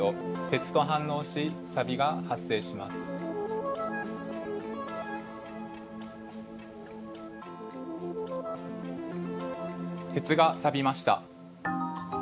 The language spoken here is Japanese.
鉄がさびました。